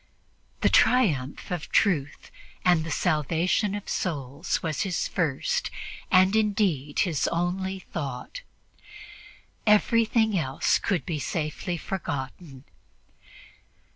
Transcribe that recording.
The triumph of truth and the salvation of souls was his first, and indeed his only thought; everything else could be safely forgotten.